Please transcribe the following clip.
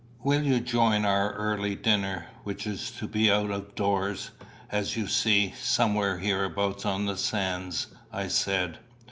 "Will you join our early dinner, which is to be out of doors, as you see, somewhere hereabout on the sands?" I said.